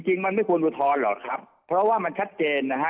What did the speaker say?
จริงมันไม่ควรอุทธรณ์หรอกครับเพราะว่ามันชัดเจนนะฮะ